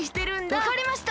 わかりました！